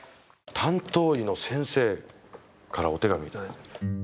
担当医の先生からお手紙を頂いてます。